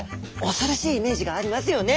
恐ろしいイメージがありますよね。